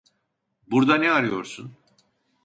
Burda ne arıyorsun?